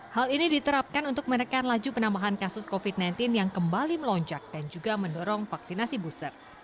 hal ini diterapkan untuk menekan laju penambahan kasus covid sembilan belas yang kembali melonjak dan juga mendorong vaksinasi booster